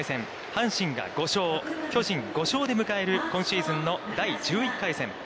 阪神が５勝、巨人５勝で迎える今シーズンの第１１回戦。